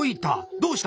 どうした？